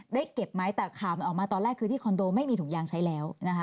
เก็บไหมแต่ข่าวมันออกมาตอนแรกคือที่คอนโดไม่มีถุงยางใช้แล้วนะคะ